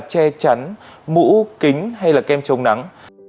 che chắn mũ kính hay là kem trông nắng